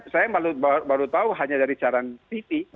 saya baru tahu hanya dari siaran tv